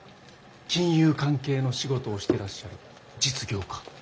金融関係の仕事をしてらっしゃる実業家。